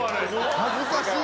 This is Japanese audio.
恥ずかしい！